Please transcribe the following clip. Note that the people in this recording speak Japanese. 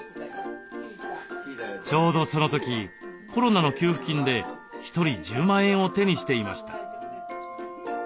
ちょうどその時コロナの給付金で１人１０万円を手にしていました。